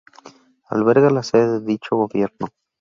Alberga la sede de dicho gobierno.